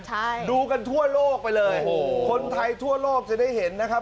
ใช่ดูกันทั่วโลกไปเลยโอ้โหคนไทยทั่วโลกจะได้เห็นนะครับ